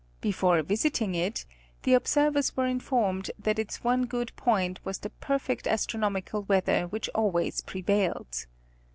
Before visiting it the observers were informed that its one good point was the perfect astronom ical weather which always prevailed.